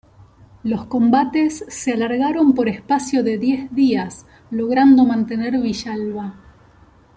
Los combates se alargaron por espacio de diez días, logrando mantener Villalba.